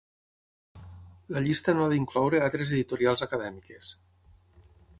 La llista no ha d'incloure altres editorials acadèmiques.